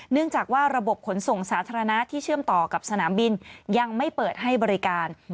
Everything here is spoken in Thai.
เนื่องจากว่าระบบขนส่งสาธารณะที่เชื่อมต่อกับสนามบินยังไม่เปิดให้บริการ